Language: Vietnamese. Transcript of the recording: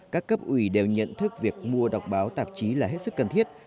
các cấp ủy đều nhận thức việc mua đọc báo tạp chí là hết sức cần thiết